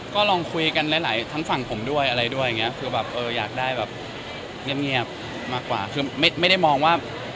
ก็ลองคุยกันหลายทั้งฝั่งผมด้วยอะไรด้วยอย่างเงี้ยคือแบบเอออยากได้แบบเงียบมากกว่าคือไม่ได้มองว่า